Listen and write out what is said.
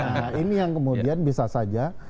nah ini yang kemudian bisa saja